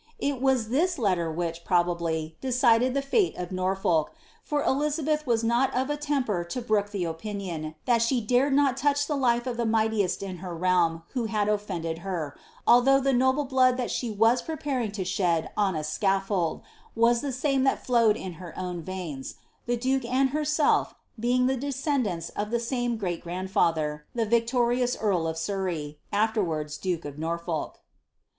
IS this letter which, probably, decided the fate of Norfolk, for th was not of a temper to brook the opinion, that she dared not he life of the mightiest in her realm who had ofiended her, al the noble blood that she was preparing to shed on a scaffold ) same that flowed in her own veins, the duke and herself being cendants of the same great grandfather — the victorious earl of afterwards duke of Norfolk.